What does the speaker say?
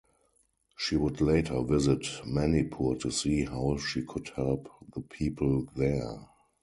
She would later visit Manipur to see how she could help the people there.